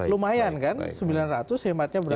lumayan kan sembilan ratus hematnya berapa